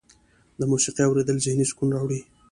د موسیقۍ اوریدل ذهني سکون راوړي.